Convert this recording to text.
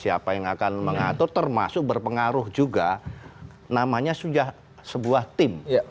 siapa yang akan mengatur termasuk berpengaruh juga namanya sudah sebuah tim